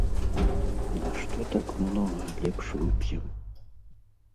Нашто так многа, лепш вып'ем.